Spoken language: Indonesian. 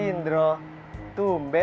biasanya sayang ben kemarin